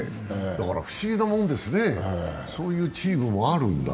不思議なもんですね、そういうチームもあるんだ。